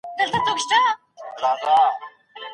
اصلیت ارزښت لري.